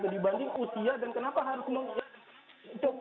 dibanding usia dan kenapa harus nonton